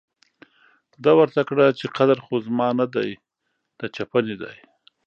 ده ورته کړه چې قدر خو زما نه دی، د چپنې دی.